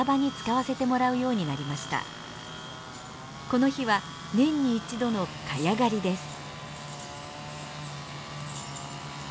この日は年に一度のカヤ刈りです。